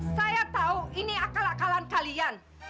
saya tahu ini akal akalan kalian